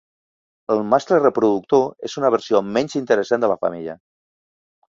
El mascle reproductor és una versió menys interessant de la femella.